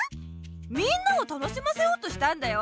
みんなを楽しませようとしたんだよ？